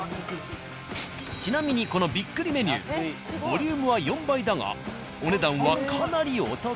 ちなみにこのびっくりメニューボリュームは４倍だがお値段はかなりお得。